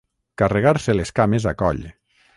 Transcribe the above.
Carregar-se les cames a coll.